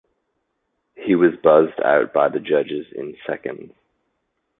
He was buzzed out by the judges in seconds.